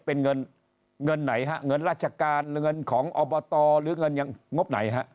เป็นเงินเงินไหนฮะเงินราชการเงินของอบตหรือเงินยังงบไหนฮะ